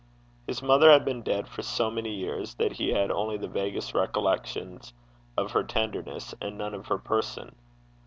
His mother had been dead for so many years that he had only the vaguest recollections of her tenderness, and none of her person.